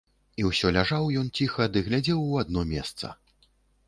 І ўсё ляжаў ён ціха ды глядзеў у адно месца.